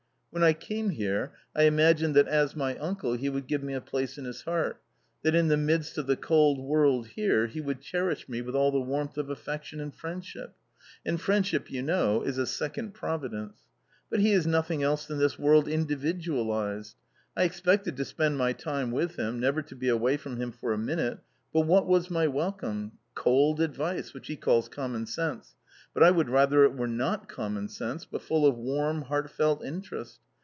When I came here, I imagined that as my uncle he would give me a place in his heart, that in the midst of the cold world here he would cherish me with all the warmth of affection and friend ship ; and friendship, you know, is a second providence. But he is nothing else than this world individualised. I expected to spend my time with him, never to be away from him for a minute, but what was my welcome ?— cold advice, which he calls common sense ; but I would rather it were not common sense but full of warm, heartfelt interest.